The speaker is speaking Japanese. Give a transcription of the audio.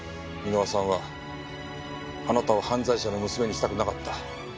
箕輪さんはあなたを犯罪者の娘にしたくなかった。